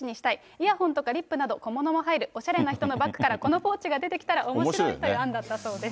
イヤホンとかリップとか入る、おしゃれな人のバッグから、このポーチが出てきたらおもしろいという案だったそうです。